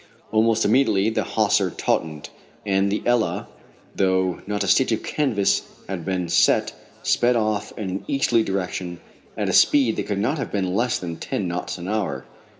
Almost immediately the hawser tautened, and the Ebba, though not a stitch of canvas had been set, sped off in an easterly direction at a speed that could not have been less than ten knots an hour.